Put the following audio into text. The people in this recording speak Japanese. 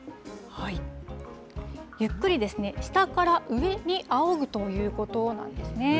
ゆっくり下から上にあおぐということなんですね。